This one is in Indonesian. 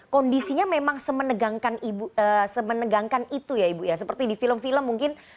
kondisinya memang semenegangkan itu ya ibu ya seperti di film film mungkin